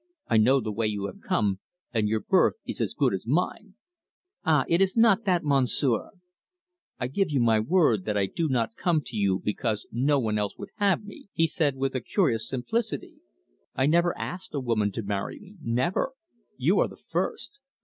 I know the way you have come, and your birth is as good as mine." "Ah, it is not that, Monsieur!" "I give you my word that I do not come to you because no one else would have me," he said with a curious simplicity. "I never asked a woman to marry me never! You are the first.